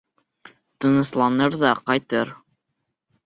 Тынысланыр ҙа ҡайтыр.